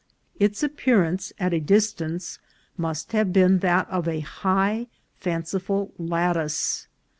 Its appearance at a distance must have been that of a high, fancifal lattice.